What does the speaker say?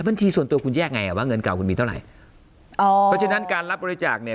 บัญชีส่วนตัวคุณแยกไงอ่ะว่าเงินเก่าคุณมีเท่าไหร่อ๋อเพราะฉะนั้นการรับบริจาคเนี่ย